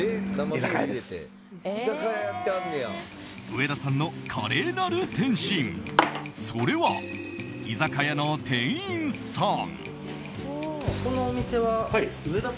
上田さんの華麗なる転身それは居酒屋の店員さん。